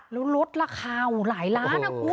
แล้วลดราคาอยู่หลายล้านนะคุณ